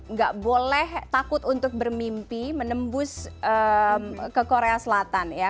nggak boleh takut untuk bermimpi menembus ke korea selatan ya